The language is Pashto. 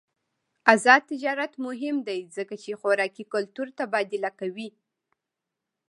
آزاد تجارت مهم دی ځکه چې خوراکي کلتور تبادله کوي.